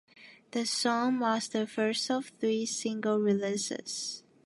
The song marks the first of three single releases.